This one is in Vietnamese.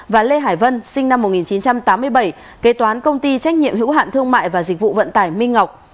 và lê hải vân sinh năm một nghìn chín trăm tám mươi bảy kế toán công ty trách nhiệm hữu hạn thương mại và dịch vụ vận tải minh ngọc